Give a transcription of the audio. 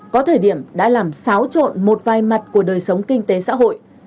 có thời điểm đã làm xáo trộn một vài mặt của đời sống kinh tế xã hội